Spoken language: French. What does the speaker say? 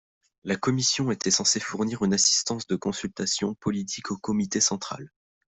La commission était censé fournir une assistance de consultation politique au Comité central.